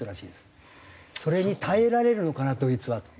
それに耐えられるのかなドイツはと。